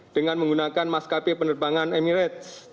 dengan menggunakan maskapai penerbangan emirates